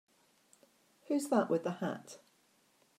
Who's that with the hat?